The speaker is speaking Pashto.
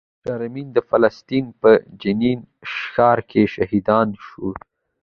شیرین د فلسطین په جنین ښار کې شهیدان شوه.